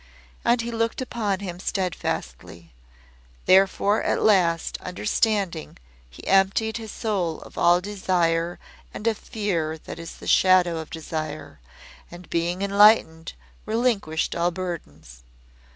And He looked upon him steadfastly. Therefore at last understanding he emptied his soul of all desire, and of fear that is the shadow of desire, and being enlightened relinquished all burdens.